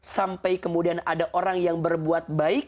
sampai kemudian ada orang yang berbuat baik